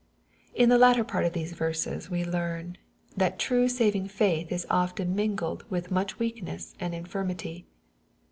In the latter part of these verses we learn, that true saving faith is often mingled with much weakness and infirmity.